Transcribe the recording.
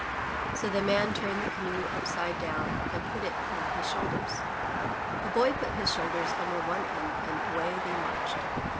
*' So the Man turned the canoe upside down and put it on his shoulders; the Boy put his shoulders under one end and away they marched.